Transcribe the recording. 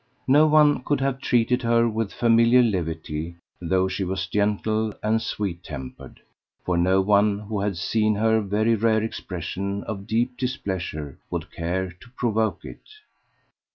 No one could have treated her with familiar levity, though she was gentle and sweet tempered; for no one who had seen her very rare expression of deep displeasure would care to provoke it.